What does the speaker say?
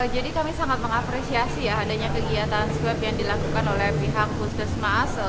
jadi kami sangat mengapresiasi ya adanya kegiatan swab yang dilakukan oleh pihak puskusmas